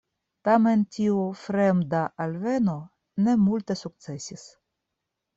Tamen tiu "fremda" alveno ne multe sukcesis.